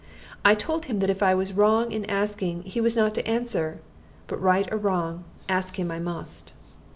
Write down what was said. I told him that if I was wrong in asking, he was not to answer; but, right or wrong, ask him I must.